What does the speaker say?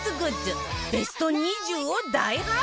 ベスト２０を大発表